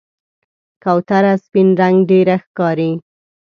کوتره سپین رنګ ډېره ښکاري.